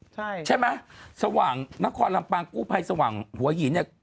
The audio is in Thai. ใช่ไหมสว่างนครลำปางกู้ภัยสว่างหัวหินเนี่ย